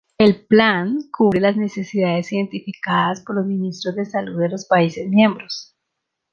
El plan cubre las necesidades identificadas por los Ministros de Salud de los países-miembros.